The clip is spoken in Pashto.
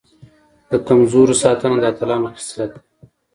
د کمزورو ساتنه د اتلانو خصلت دی.